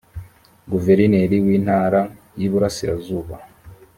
guverineri w intara y iburasirazuba